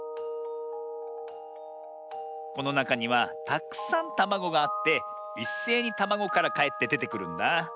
このなかにはたくさんたまごがあっていっせいにたまごからかえってでてくるんだ。